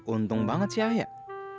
untung banget sih ayah